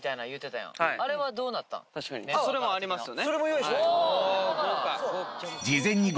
それもありますよね。